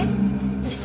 どうした？